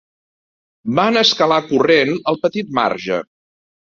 Vam escalar corrent el petit marge